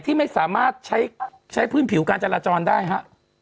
ที่ไม่สามารถใช้พื้นผิวการจราจรได้ฮะ